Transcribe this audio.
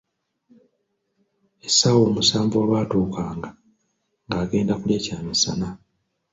Essaawa omusanvu olwatuukanga, ng'agenda kulya kyamisana.